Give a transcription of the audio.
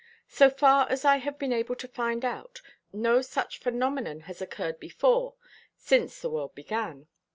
So far as I have been able to find out, no such phenomenon has occurred before since the world began.